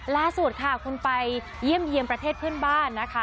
ล่าสุดค่ะคุณไปเยี่ยมเยี่ยมประเทศเพื่อนบ้านนะคะ